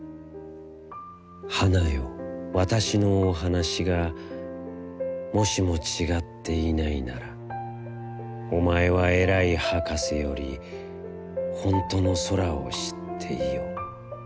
花よ、わたしのおはなしが、もしもちがっていないなら、おまえはえらいはかせより、ほんとの空を知っていよ。